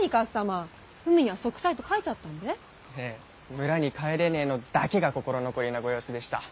村に帰れねぇのだけが心残りなご様子でした。